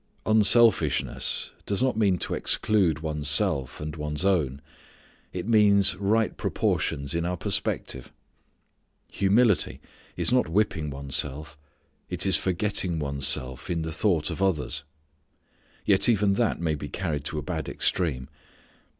Unselfishness does not mean to exclude one's self, and one's own. It means right proportions in our perspective. Humility is not whipping one's self. It is forgetting one's self in the thought of others. Yet even that may be carried to a bad extreme.